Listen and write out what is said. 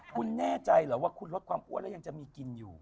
คุณแน่ใจเหรอว่าคุณลดความอ้วนแล้วยังจะมีกินอยู่